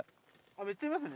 めっちゃいますね。